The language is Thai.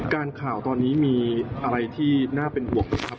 ข่าวตอนนี้มีอะไรที่น่าเป็นห่วงไหมครับ